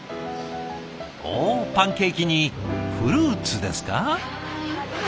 おおパンケーキにフルーツですか。